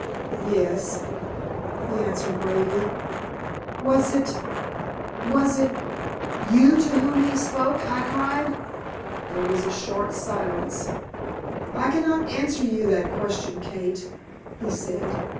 "Yes," he answered, gravely. "Was it was it you to whom he spoke?" I cried. There was a short silence. "I cannot answer you that question, Kate," he said.